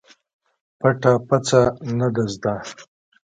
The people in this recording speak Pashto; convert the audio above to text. پټه پڅه نه ده زده.